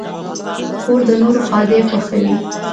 خور د نورو ښادۍ خوښوي.